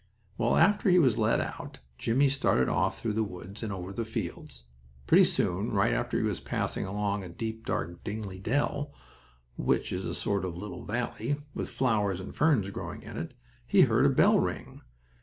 Well, after he was let out Jimmie started off through the woods and over the fields. Pretty soon, right after he was passing along a deep, dark, dingly dell, which is a sort of little valley, with flowers and ferns growing in it, he heard a bell ring.